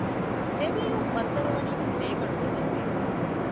ދެމީހުން ބައްދަލުވަނީވެސް ރޭގަނޑު ނިދަން ވީމަ